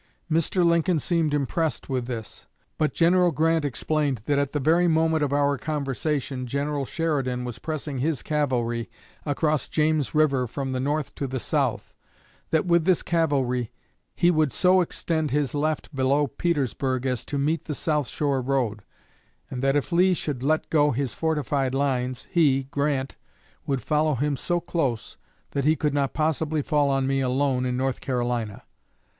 Mr. Lincoln seemed impressed with this; but General Grant explained that at the very moment of our conversation General Sheridan was pressing his cavalry across James River from the north to the south, that with this cavalry he would so extend his left below Petersburg as to meet the South Shore Road, and that if Lee should 'let go' his fortified lines he (Grant) would follow him so close that he could not possibly fall on me alone in North Carolina.